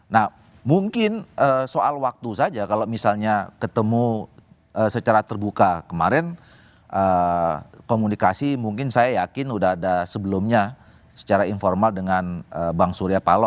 nah mungkin soal waktu saja kalau misalnya ketemu secara terbuka kemarin komunikasi mungkin saya yakin sudah ada sebelumnya secara informal dengan bang surya paloh